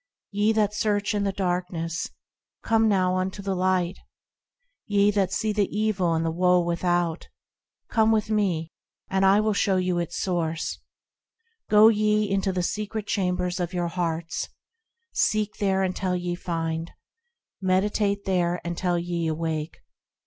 Ye that search in the darkness, Come now unto the Light; Ye that see the evil and the woe without, Come with me, and I will show you its source:– Go ye into the secret chambers of your hearts, Seek there until ye find ; Meditate there until ye awake.